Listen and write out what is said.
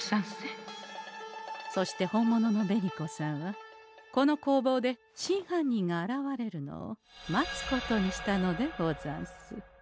そして本物の紅子さんはこの工房で真犯人が現れるのを待つことにしたのでござんす。